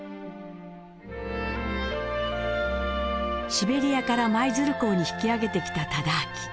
シベリアから舞鶴港に引き揚げてきた忠亮。